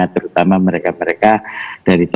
terutama mereka mereka dari